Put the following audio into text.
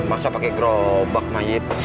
masa pakai gerobak mayit